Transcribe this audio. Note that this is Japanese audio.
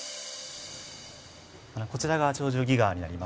こちらが「鳥獣戯画」になります。